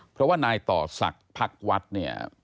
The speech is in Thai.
เพราะว่านายต่อศักดิ์พักวัดเนี่ย